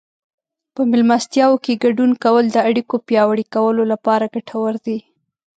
په مېلمستیاوو کې ګډون کول د اړیکو پیاوړي کولو لپاره ګټور دي.